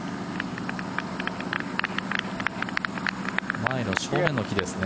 前の正面の木ですね。